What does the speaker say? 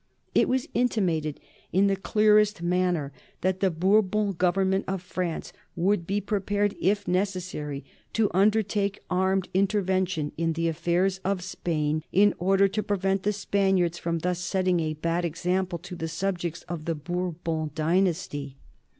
It was intimated in the clearest manner that the Bourbon Government of France would be prepared, if necessary, to undertake armed intervention in the affairs of Spain in order to prevent the Spaniards from thus setting a bad example to the subjects of the Bourbon dynasty.